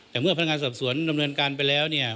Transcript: แต่เมื่อพนักงานสอบสวนดำเนินการไปแล้วเนี่ย